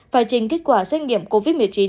phải trình kết quả xét nghiệm covid một mươi chín